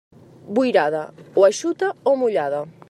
Boirada, o eixuta o mullada.